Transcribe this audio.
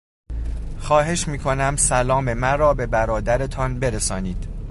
خواهش میکنم سلام مرا به برادرتان برسانید.